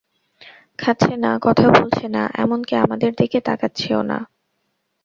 খাচ্ছে না, কথা বলছে না, এমনকি আমাদের দিকে তাকাচ্ছেও না।